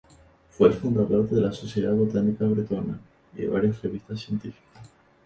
Fue el fundador de la "Sociedad Botánica Bretona" y varias revistas científicas.